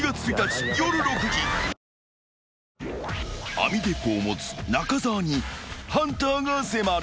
［網鉄砲を持つ中澤にハンターが迫る］